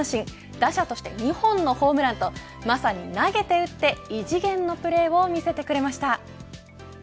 打者として２本のホームランとまさに投げて打って異次元のプレーを見せてくれました。